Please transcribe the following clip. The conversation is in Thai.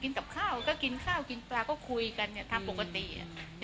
กินกับข้าวก็กินข้าวกินปลาก็คุยกันในทางปกติ